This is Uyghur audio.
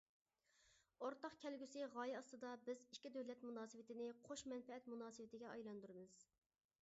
ئورتاق كەلگۈسى غايە ئاستىدا بىز ئىككى دۆلەت مۇناسىۋىتىنى قوش مەنپەئەت مۇناسىۋىتىگە ئايلاندۇرىمىز.